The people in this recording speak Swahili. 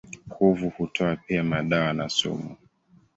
Kuvu hutoa pia madawa na sumu.